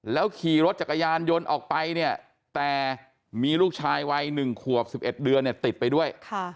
ขี่รถจักรยานยนต์ออกไปเนี่ยแต่มีลูกชายวัย๑ขวบ๑๑เดือนเนี่ยติดไปด้วย